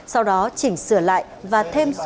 sau đó chỉnh sửa lại và thêm số tài liệu